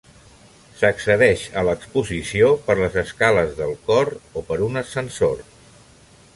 S'accedeix a l'exposició per les escales del cor o per un ascensor.